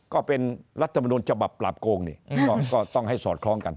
ก็เป็นรัฐธรรมนูญจบับปราบโกงต้องให้สอดคล้องกัน